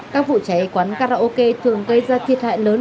các vụ cháy quán karaoke thường gây ra thiệt hại lớn